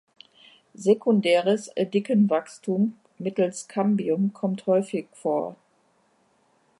Sekundäres Dickenwachstum mittels Kambium kommt häufig vor.